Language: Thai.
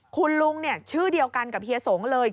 คุณลุงชื่อเดียวกันกับเฮียสงฆ์เลย